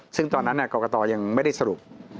ซึ่งตอนนั้นกรกตยังไม่ได้สรุป